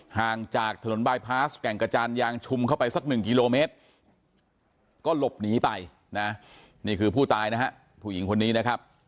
ห่างจากถนนบายพาสแก่งกระจานยางชุมเข้าไปสักหนึ่งกิโลเมตรก็หลบหนีไปนะนี่คือผู้ตายนะฮะผู้หญิงคนนี้นะครับ